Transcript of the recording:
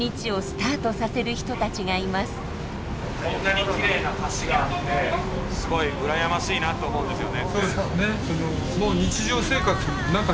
こんなにきれいな橋があってすごい羨ましいなって思うんですよね。